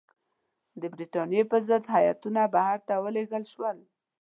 د برټانیې پر ضد هیاتونه بهر ته ولېږل شول.